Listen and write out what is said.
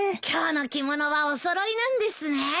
今日の着物はお揃いなんですね。